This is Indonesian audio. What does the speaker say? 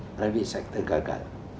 sektor pribadi gagal